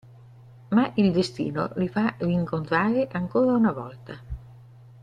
Ma il destino li fa rincontrare ancora una volta.